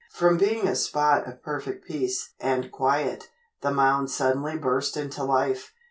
From being a spot of perfect peace and quiet, the mound suddenly burst into life.